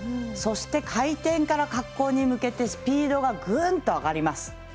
そして回転から滑降に向けてスピードがぐんと上がります。